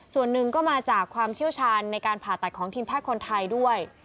ส่วนหนึ่งก็มาจากความเชี่ยวชาญในการผ่าตัดของทีมแพทย์คนไทยด้วย